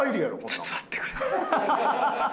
ちょっと待ってくれ。